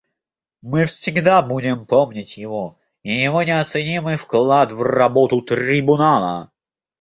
Мы всегда будем помнить его и его неоценимый вклад в работу Трибунала.